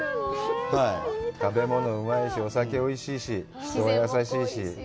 食べ物がうまいし、お酒もおいしいし、人は優しいし。